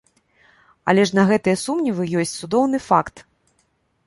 Але ж на гэтыя сумневы ёсць цудоўны факт!